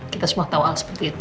kita semua tahu hal seperti itu